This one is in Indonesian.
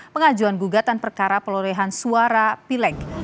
pengajuan gugatan perkara pelorehan suara pilek